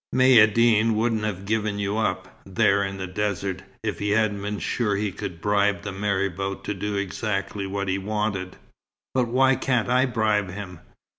Maïeddine wouldn't have given you up, there in the desert, if he hadn't been sure he could bribe the marabout to do exactly what he wanted." "But why can't I bribe him?"